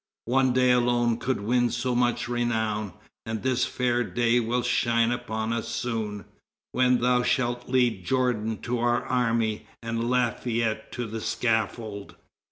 One day alone could win so much renown, And this fair day will shine upon us soon! When thou shalt lead Jourdan to our army, And Lafayette to the scaffold!